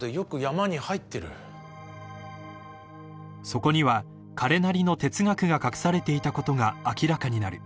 ［そこには彼なりの哲学が隠されていたことが明らかになる］